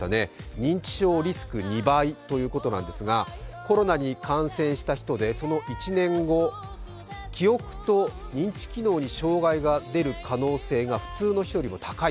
認知症リスク２倍ということなんですがコロナに感染した人でその１年後記憶と認知機能に障害が出る可能性が普通の人よりも高い。